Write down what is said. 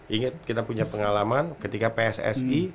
ingat kita punya pengalaman ketika pssi